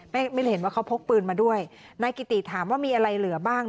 ไม่ได้เห็นว่าเขาพกปืนมาด้วยนายกิติถามว่ามีอะไรเหลือบ้าง